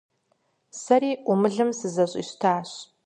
Сэри Ӏумылым сызэщӀищтащ.